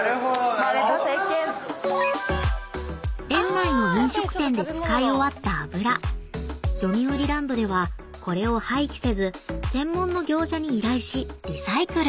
［園内の飲食店で使い終わった油よみうりランドではこれを廃棄せず専門の業者に依頼しリサイクル］